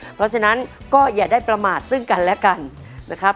เพราะฉะนั้นก็อย่าได้ประมาทซึ่งกันและกันนะครับ